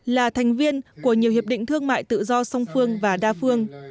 là thành viên của nhiều hiệp định thương mại tự do song phương và đa phương